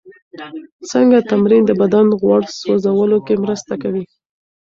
څنګه تمرین د بدن غوړ سوځولو کې مرسته کوي؟